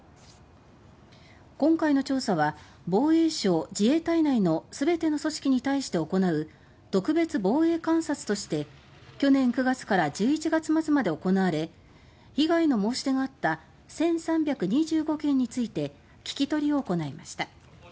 今回の調査は防衛省・自衛隊内の全ての組織に対して行う「特別防衛監察」として去年９月から１１月末まで行われ被害の申し出があった１３２５件について聞き取りを行いました。